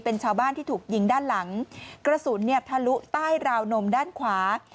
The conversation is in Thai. เป็นชาวบ้านที่ถูกยิงด้านหลังกระสุนเนี่ยทะลุใต้ราวนมด้านขวา